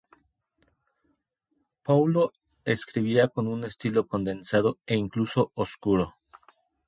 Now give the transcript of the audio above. Paulo escribía con un estilo condensado e incluso oscuro.